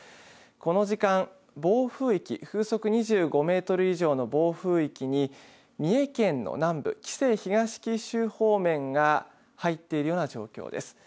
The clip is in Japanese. この時間、暴風域風速２５メートル以上の暴風域に三重県の南部紀勢・東紀州方面が入っているような状況です。